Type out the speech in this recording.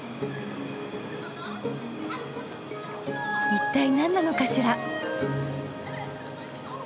一体何なのかしら？